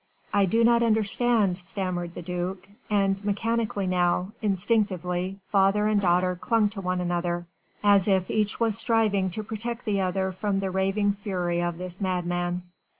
"I do not understand," stammered the duc, and mechanically now instinctively father and daughter clung to one another as if each was striving to protect the other from the raving fury of this madman.